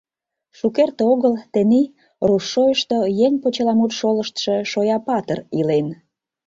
«Шукерте огыл, тений, Руш Шойышто еҥ почеламут шолыштшо Шоя Патыр илен»...